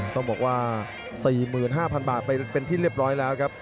ต้องบอกว่า๔๕๐๐๐บาทไปเป็นที่เรียบร้อยแล้วครับ